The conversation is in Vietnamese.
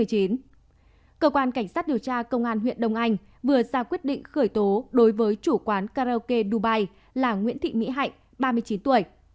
cơ quan cảnh sát điều tra công an huyện đông anh vừa ra quyết định khởi tố đối với chủ quán karaoke dubai là nguyễn thị mỹ hạnh ba mươi chín tuổi